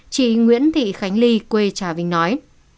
chị nguyễn thị khánh ly quê trà vinh nói